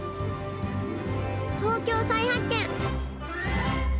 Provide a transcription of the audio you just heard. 「＃東京再発見」。